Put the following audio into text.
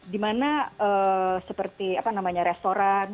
dimana seperti apa namanya restoran